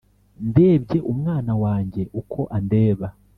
ndebye umwana wanjye uko andeba,